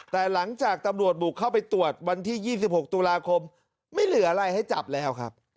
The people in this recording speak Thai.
แต่หลังจากตำรวจบุกเข้าไปตรวจวันที่๒๖ตุลาคมไม่เหลืออะไรให้จับแล้วครับ